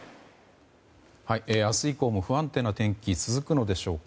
明日以降も不安定な天気続くのでしょうか。